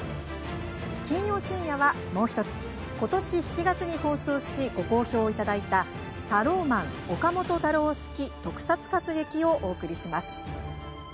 金曜、深夜はもう１つ今年７月に放送しご好評をいただいた「ＴＡＲＯＭＡＮ岡本太郎式特撮活劇」をお送りします。